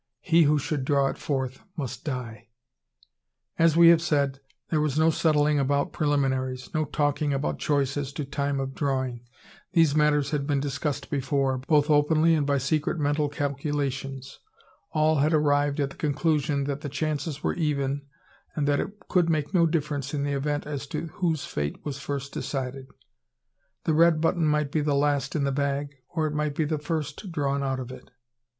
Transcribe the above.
"He who should draw it forth must die." As we have said, there was no settling about preliminaries, no talking about choice as to the time of drawing. These matters had been discussed before, both openly and by secret mental calculations. All had arrived at the conclusion that the chances were even, and that it could make no difference in the event as to whose fate was first decided. The red button might be the last in the bag, or it might be the first drawn out of it.